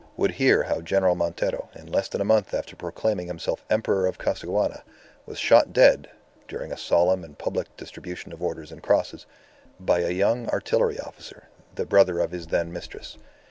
Would hear how General Montero, in less than a month after proclaiming himself Emperor of Costaguana, was shot dead (during a solemn and public distribution of orders and crosses) by a young artillery officer, the brother of his then mistress.